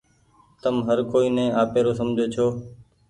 تم هر ڪوئي ني آپيرو سمجهو ڇو۔